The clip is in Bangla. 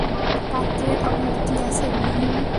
পাত্রের অভাব কী আছে মহিম।